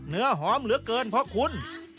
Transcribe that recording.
เนื้อหอมเหลือเกินเพราะคุณ